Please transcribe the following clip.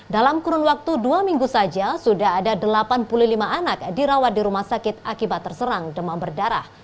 dalam kurun waktu dua minggu saja sudah ada delapan puluh lima anak dirawat di rumah sakit akibat terserang demam berdarah